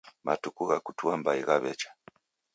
Matuku gha kutua mbai ghawecha